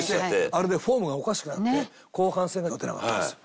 あれでフォームがおかしくなって後半戦が打てなかったんですよ。